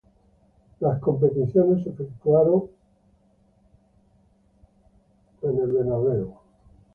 Las competiciones se efectuaron en la County Coliseum Arena de la ciudad californiana.